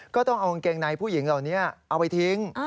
ก็ต้องเอากางเกงในผู้หญิงเหล่านี้เอาไปทิ้ง